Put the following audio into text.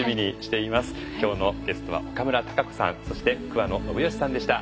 今日のゲストは岡村孝子さんそして桑野信義さんでした。